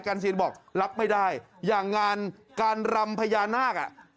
เซียนบอกรับไม่ได้อย่างงานการรำพญานาคอ่ะ